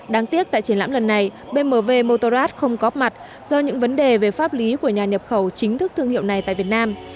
đáng tiếc tại triển lãm lần này bmv motorras không có mặt do những vấn đề về pháp lý của nhà nhập khẩu chính thức thương hiệu này tại việt nam